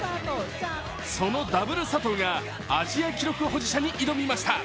そのダブル佐藤がアジア記録保持者に挑みました。